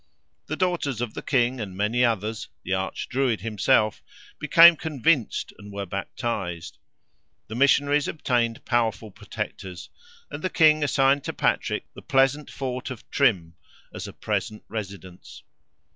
The daughters of the king and many others—the Arch Druid himself—became convinced and were baptized. The missionaries obtained powerful protectors, and the king assigned to Patrick the pleasant fort of Trim, as a present residence.